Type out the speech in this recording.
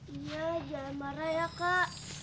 iya jangan marah ya kak